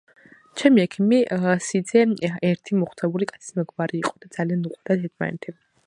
ჩემი ექიმი სიძე ერთი მოხუცებული კაცის მეგობარი იყო და ძალიან უყვარდათ ერთმანერთი.